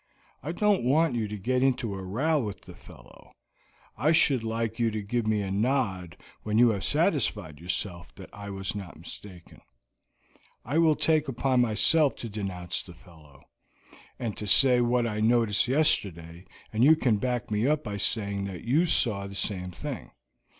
I don't want you to get into a row with the fellow. I should like you to give me a nod when you have satisfied yourself that I was not mistaken. I will take upon myself to denounce the fellow, and to say what I noticed yesterday and you can back me up by saying that you saw the same thing.